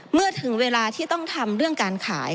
เมื่อถึงเวลาที่ต้องทำเรื่องการขาย